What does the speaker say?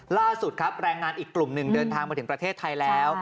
ล่าสุดครับแรงงานอีกกลุ่มหนึ่งเดินทางมาถึงประเทศไทยแล้ว